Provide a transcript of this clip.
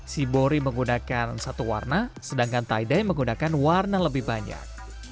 shibori menggunakan satu warna sedangkan taidai menggunakan warna lebih banyak